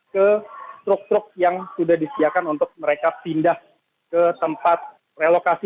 ke truk truk yang sudah disediakan untuk mereka pindah ke tempat relokasi